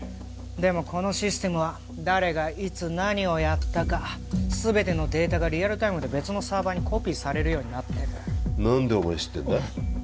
でもこのシステムは誰がいつ何をやったか全てのデータがリアルタイムで別のサーバーにコピーされるようになってる何でお前知ってんだ？